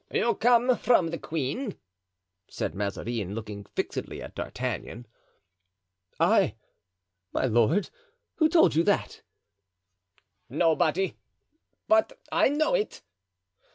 "You come from the queen?" said Mazarin, looking fixedly at D'Artagnan. "I! my lord—who told you that?" "Nobody, but I know it."